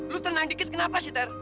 lu tenang dikit kenapa sih ter